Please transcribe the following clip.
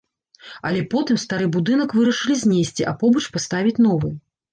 Але потым стары будынак вырашылі знесці, а побач паставіць новы.